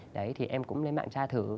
đấy thì em cũng lên mạng tra thử